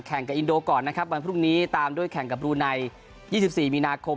กับอินโดก่อนนะครับวันพรุ่งนี้ตามด้วยแข่งกับบรูไน๒๔มีนาคม